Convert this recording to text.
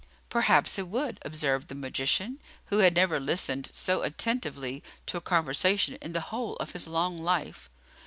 "Perhaps it would," observed the magician, who had never listened so attentively to a conversation in the whole of his long life.